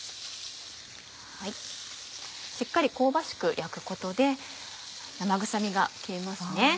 しっかり香ばしく焼くことで生臭みが消えますね。